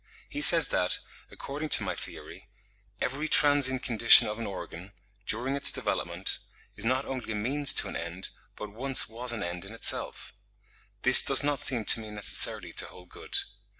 He says that, according to my theory, "every transient condition of an organ, during its development, is not only a means to an end, but once was an end in itself." This does not seem to me necessarily to hold good.